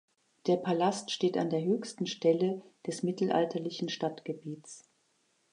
Der Palast steht an der höchsten Stelle des mittelalterlichen Stadtgebiets.